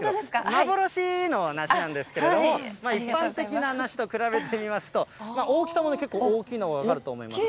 まぼろしーの梨なんですけど、一般的な梨と比べてみますと、大きさも結構大きいのが分かると思います。